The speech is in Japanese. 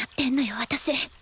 私。